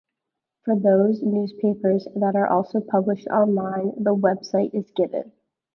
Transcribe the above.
For those newspapers that are also published online, the website is given.